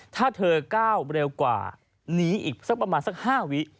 ถ้าเธอก้าวเร็วกว่าหนีอีกสักประมาณสัก๕วิ